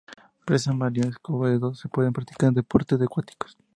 Presa Mariano Escobedo: Se pueden practicar deportes acuáticos.